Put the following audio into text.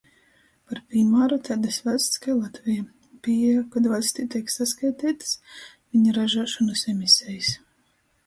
Par pīmāru, taidys vaļsts kai Latveja. Pīeja, kod vaļstī teik saskaiteitys viņ ražuošonys emisejis.